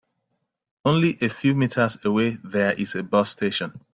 Only a few meters away there is a bus station.